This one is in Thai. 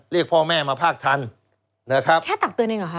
เรียกพ่อแม่มาภาคทันนะครับแค่ตักเตือนเองเหรอคะ